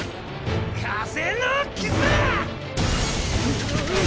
風の傷ッ！！